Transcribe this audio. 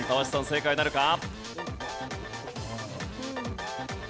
正解なるか？